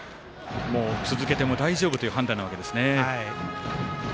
続けても大丈夫という判断なわけですね。